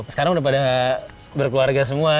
sekarang udah pada berkeluarga semua